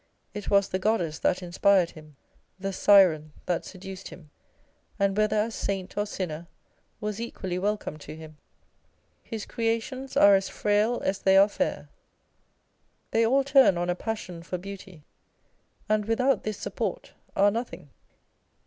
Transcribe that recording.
It was the Goddess that inspired him, the Siren that seduced him ; and whether as saint or sinner, was equally welcome to him. His creations are as frail as they are fair. They all turn on a passion for beauty, and without this support, are nothing.